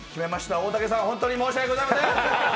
大竹さん、本当に申し訳ございません。